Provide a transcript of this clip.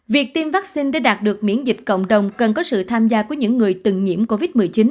việc tiêm vaccine để đạt được miễn dịch cộng đồng cần có sự tham gia của những người từng nhiễm covid một mươi chín